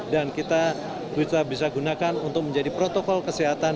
dan kita bisa gunakan untuk menjadi protokol kesehatan